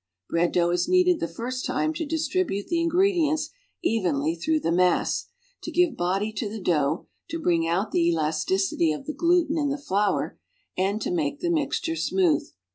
Bread dough is kneaded the first time to distribute the in gredients evenly through the mass, to gi\'e body to the dough, to Ijring out the elasticity of the gluten in the flour and to make the mixture smooth.